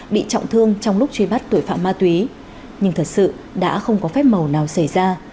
bị trọng thương trong lúc truy bắt tội phạm ma túy nhưng thật sự đã không có phép màu nào xảy ra